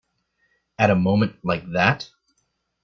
At a moment like that?